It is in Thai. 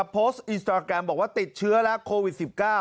โพสต์อินสตราแกรมบอกว่าติดเชื้อแล้วโควิด๑๙